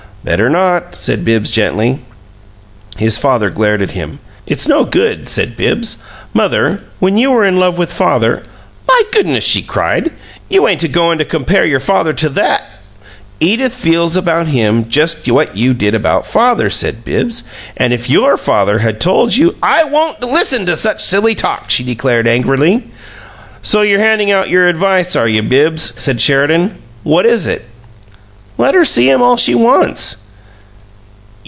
"Better not," said Bibbs, gently. His father glared at him. "It's no good," said Bibbs. "Mother, when you were in love with father " "My goodness!" she cried. "You ain't a goin' to compare your father to that " "Edith feels about him just what you did about father," said Bibbs. "And if YOUR father had told you " "I won't LISTEN to such silly talk!" she declared, angrily. "So you're handin' out your advice, are you, Bibbs?" said Sheridan. "What is it?" "Let her see him all she wants."